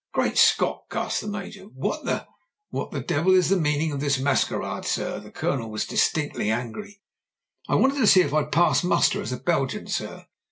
"Great Scot !" gasped the Major. "What the '' "What the devil is the meaning of this masquerade, sir ?" The Colonel was distinctly angry. "I wanted to see if I'd pass muster as a Belgian, sir.